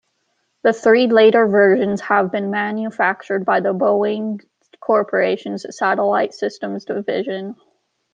The three later versions have been manufactured by the Boeing corporation's Satellite Systems division.